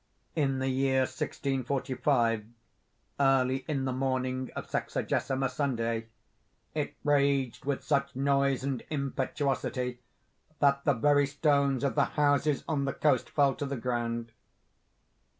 In the year 1645, early in the morning of Sexagesima Sunday, it raged with such noise and impetuosity that the very stones of the houses on the coast fell to the ground."